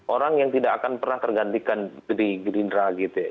orang yang tidak akan pernah tergantikan dari gerindra gitu ya